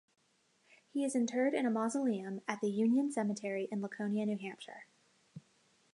He is interred in a mausoleum at the Union Cemetery in Laconia, New Hampshire.